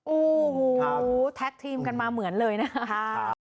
โอ้โหแท็กทีมกันมาเหมือนเลยนะคะ